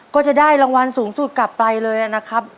ก็จะได้รางวัลสูงสุดกลับไปเลยนะครับ